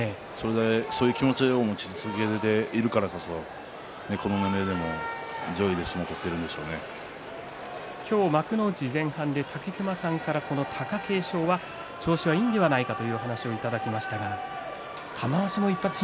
そういう気持ちを持ち続けるからこの年齢でも今日、幕内前半で武隈さんから貴景勝は調子がいいんではないかという話をいただきました。